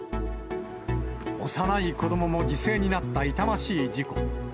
幼い子どもも犠牲になった痛ましい事故。